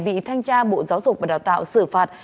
bị thanh tra bộ giáo dục và đào tạo xử phạt